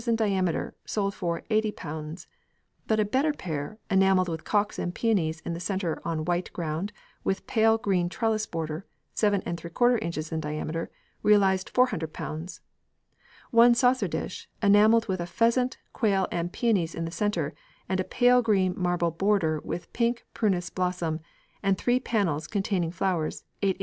in diameter, sold for ┬Ż80, but a better pair, enamelled with cocks and peonies in the centre on white ground, with pale green trellis border, 7┬Š in. in diameter, realised ┬Ż400. One saucer dish, enamelled with a pheasant, quail and peonies in the centre, and a pale green marble border with pink prunus blossom, and three panels containing flowers, 8 in.